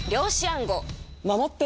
守って。